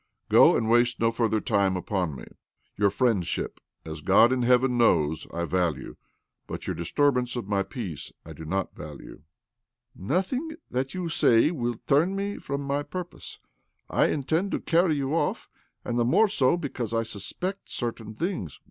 Go, and waste no further time upon me. Your friendship, as God in heaven knows, I value ; but your disturbance of my peace I do not value." " Nothing that you can say will turn me from my purpose. I intend to carry you off, arid the more so because I suspect certain things.